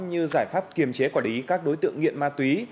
như giải pháp kiềm chế quản lý các đối tượng nghiện ma túy